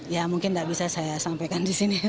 ya mungkin tidak bisa saya sampaikan di sini